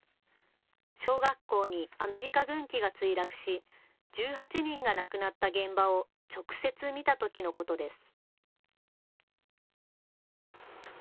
小学校にアメリカ軍機が墜落し１８人が亡くなった現場を直接、見たときのことです。